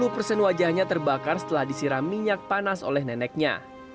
dua puluh persen wajahnya terbakar setelah disiram minyak panas oleh neneknya